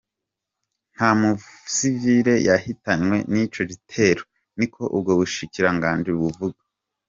Nta musivile yahitanywe n'ico gitero, niko ubwo bushikiranganji buvuga.